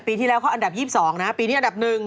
ที่แล้วเขาอันดับ๒๒นะปีนี้อันดับ๑